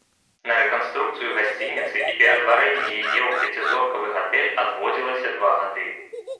На рэканструкцыю гасцініцы і ператварэнне яе ў пяцізоркавы гатэль адводзілася два гады.